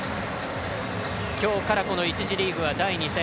今日からこの１次リーグは第２戦。